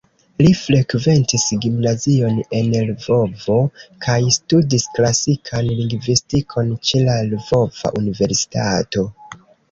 Li frekventis gimnazion en Lvovo kaj studis klasikan lingvistikon ĉe la Lvova Universitato.